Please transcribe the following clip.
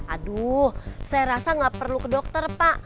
aduh saya rasa nggak perlu ke dokter pak